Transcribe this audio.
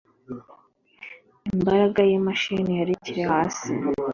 imbaraga y’imashini yari ikiri hasi